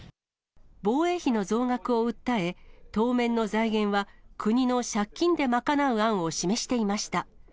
防衛費の増額を訴え、当面の財源は国の借金で賄う案を示していました。